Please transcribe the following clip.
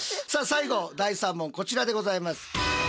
さあ最後第３問こちらでございます。